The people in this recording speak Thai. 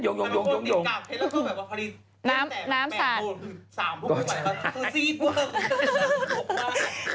แล้วก็แบบว่าพอดีน้ำสาดบนทั้ง๓พวกพวกมันตัดคือซีทเวิร์ก